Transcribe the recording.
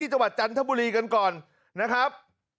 จังหวัดจันทบุรีกันก่อนนะครับ